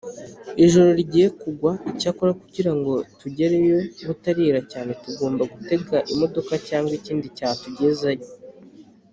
ijoro rigiye kugwa Icyakora kugira ngo tugereyo butarira cyane tugomba gutega imodoka cyangwa ikindi cyatugezeyo.